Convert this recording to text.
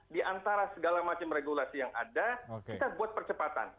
di antara segala macam regulasi yang ada kita buat percepatan